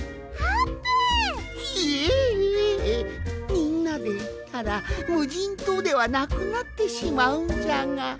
みんなでいったらむじんとうではなくなってしまうんじゃが。